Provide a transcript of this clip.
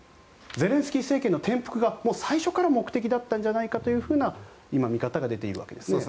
ゼレンスキー政権の転覆が最初から目的だったんじゃないかという見方が出ているわけです。